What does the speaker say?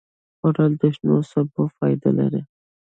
خوړل د شنو سبو فایده لري